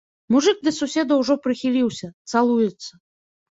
Мужык да суседа ўжо прыхіліўся, цалуецца.